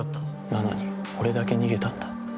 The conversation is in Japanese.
なのに俺だけ逃げたんだ。